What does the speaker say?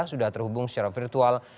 sudah terhubung secara virtual